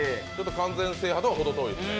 完全制覇とはほど遠いですね。